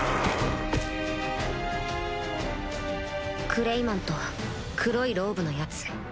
クレイマンと黒いローブのヤツ